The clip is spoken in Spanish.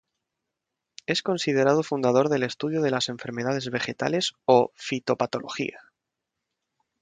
Es considerado fundador del estudio de las enfermedades vegetales o fitopatología.